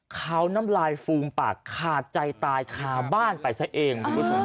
ขาวน้ำลายฟูมปากขาดใจตายขาบ้านไปซะเอง